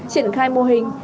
triển khai mô hình